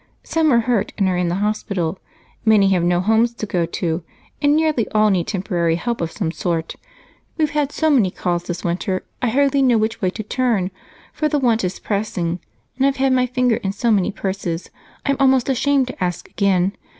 Some were hurt and are in the hospital, many have no homes to go to, and nearly all need temporary help of some sort. We've had so many calls this winter I hardly know which way to turn, for want is pressing, and I've had my finger in so many purses I'm almost ashamed to ask again.